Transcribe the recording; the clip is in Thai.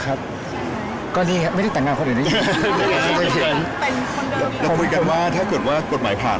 พูดกันว่าถ้าเกิดกฎหมายผ่าน